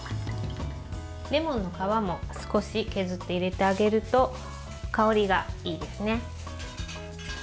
レモンの皮も少し削って入れてあげると香りがいいですね。